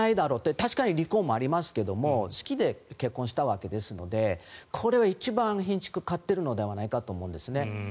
確かに離婚もありますが好きで結婚したわけですのでこれは一番ひんしゅくを買っているのではないかと思います。